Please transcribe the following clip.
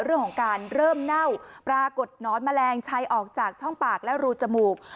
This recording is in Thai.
เรื่องของการเริ่มเน่าปรากฏหนอนแมลงชัยออกจากช่องปากและรูจมูก